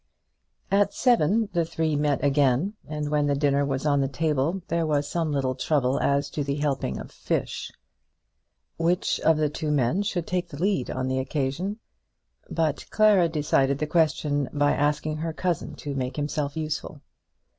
At seven the three met again, and when the dinner was on the table there was some little trouble as to the helping of the fish. Which of the two men should take the lead on the occasion? But Clara decided the question by asking her cousin to make himself useful.